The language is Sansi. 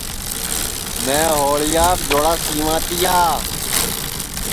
میں ہوݪیاپ جوڑا سیواں تیا